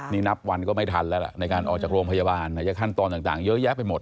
นี่นับวันก็ไม่ทันแล้วล่ะในการออกจากโรงพยาบาลขั้นตอนต่างเยอะแยะไปหมด